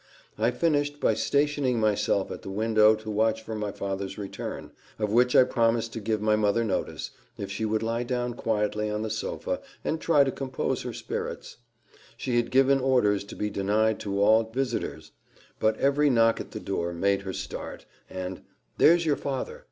I finished, by stationing myself at the window to watch for my father's return, of which I promised to give my mother notice, if she would lie down quietly on the sofa, and try to compose her spirits; she had given orders to be denied to all visitors, but every knock at the door made her start, and "There's your father!